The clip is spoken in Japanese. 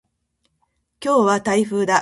今日は台風だ。